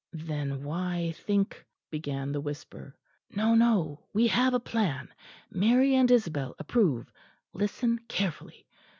"Then why think " began the whisper. "No, no, we have a plan. Mary and Isabel approve. Listen carefully.